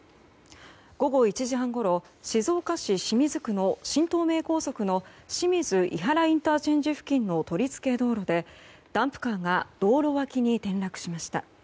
午後１時半ごろ静岡市清水区の新東名高速の清水いはらＩＣ付近の取り付け道路でダンプカーが道路脇に転落しました。